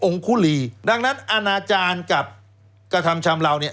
คุรีดังนั้นอาณาจารย์กับกระทำชำราวเนี่ย